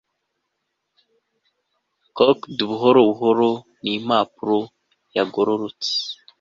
Corked buhoro buhoro nimpapuro Yagororotse